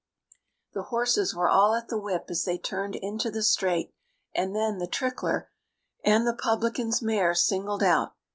The horses were all at the whip as they turned into the straight, and then The Trickler and the publican's mare singled out.